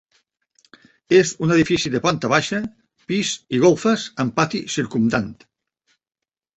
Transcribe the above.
És un edifici de planta baixa, pis i golfes amb pati circumdant.